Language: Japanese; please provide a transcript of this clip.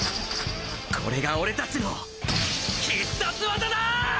これが俺たちの必殺技だ！